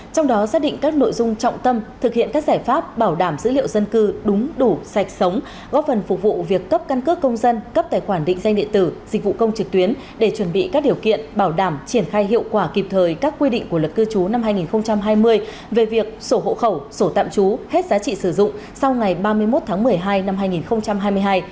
trong đó xác định các nội dung trọng tâm thực hiện các giải pháp bảo đảm dữ liệu dân cư đúng đủ sạch sống góp phần phục vụ việc cấp căn cước công dân cấp tài khoản định danh địa tử dịch vụ công trực tuyến để chuẩn bị các điều kiện bảo đảm triển khai hiệu quả kịp thời các quy định của lực cư chú năm hai nghìn hai mươi về việc sổ hộ khẩu sổ tạm chú hết giá trị sử dụng sau ngày ba mươi một tháng một mươi hai năm hai nghìn hai mươi hai